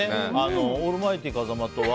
オールマイティー風間とは。